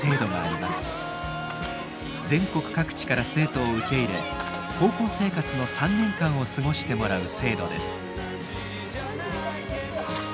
全国各地から生徒を受け入れ高校生活の３年間を過ごしてもらう制度です。